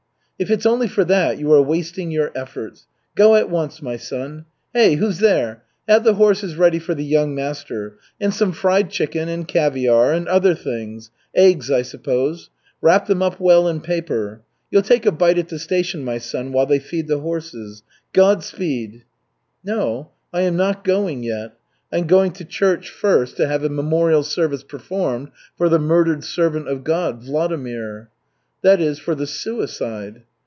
"If it's only for that, you are wasting your efforts. Go at once, my son. Hey, who's there? Have the horses ready for the young master. And some fried chicken, and caviar, and other things, eggs, I suppose. Wrap them up well in paper. You'll take a bite at the station, my son, while they feed the horses. Godspeed!" "No, I am not going yet. I'm going to church first to have a memorial service performed for the murdered servant of God, Vladimir." "That is, for the suicide."